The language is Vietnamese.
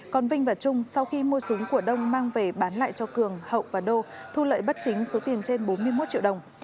còn vinh và trung sau khi mua súng của đông mang về bán lại cho cường hậu và đô thu lợi bất chính số tiền trên bốn mươi một triệu đồng